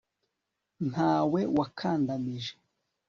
nta we wakandamije